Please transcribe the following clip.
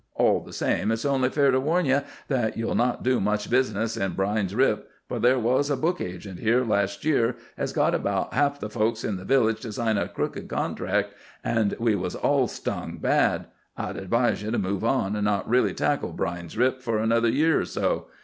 All the same, it's only fair to warn ye that ye'll not do much business in Brine's Rip, for there was a book agent here last year as got about ha'f the folks in the village to sign a crooked contract, and we was all stung bad. I'd advise ye to move on, an' not really tackle Brine's Rip fer another year or so.